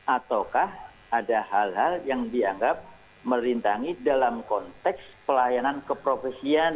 ataukah ada hal hal yang dianggap merintangi dalam konteks pelayanan keprofesian